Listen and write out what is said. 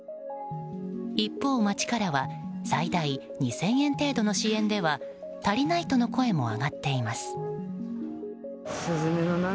一方、街からは最大２０００円程度の支援では足りないとの声も上がっています。